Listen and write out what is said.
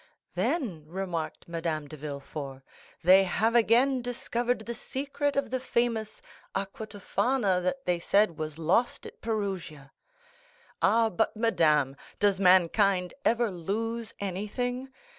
'" "Then," remarked Madame de Villefort, "they have again discovered the secret of the famous aqua Tofana that they said was lost at Perugia." "Ah, but madame, does mankind ever lose anything?